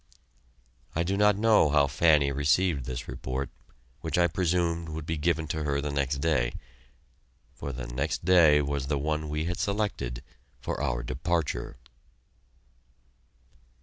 I do not know how Fanny received this report, which I presumed would be given to her the next day, for the next day was the one we had selected for our departure.